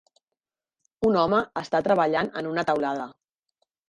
Un home està treballant en una teulada.